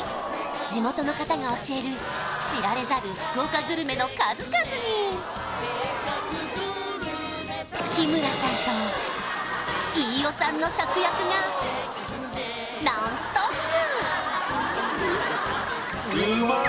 地元の方が教える知られざる福岡グルメの数々に日村さんと飯尾さんの食欲がノンストップ！